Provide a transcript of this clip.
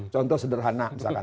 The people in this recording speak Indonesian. contoh sederhana misalkan